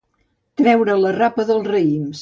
Treure la rapa dels raïms.